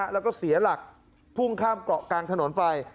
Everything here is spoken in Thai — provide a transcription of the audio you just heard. แล้วก็เสียหลักพุ่งข้ามเกาะกลางถนนไป